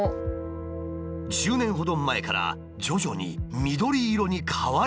１０年ほど前から徐々に緑色に変わり始めたという。